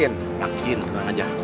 iya yakin tenang aja